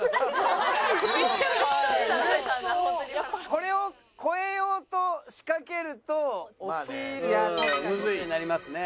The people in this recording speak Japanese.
これを超えようと仕掛けると落ちる事になりますね。